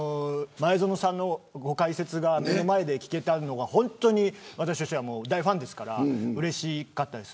前園さんの解説が目の前で聞けたのが本当に私としては大ファンですからうれしかったです。